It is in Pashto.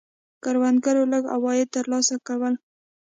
کروندګرو لږ عواید ترلاسه کول.